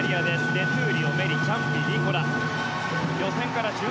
デ・トゥーリオ、メリチャンピ、ディ・コラ。